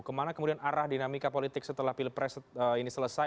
kemana kemudian arah dinamika politik setelah pilpres ini selesai